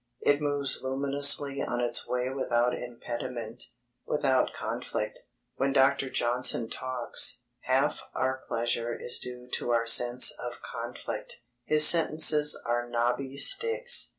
It moves luminously on its way without impediment, without conflict. When Dr. Johnson talks, half our pleasure is due to our sense of conflict. His sentences are knobby sticks.